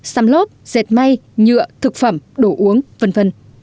xăm lốp dệt may nhựa thực phẩm đồ uống v v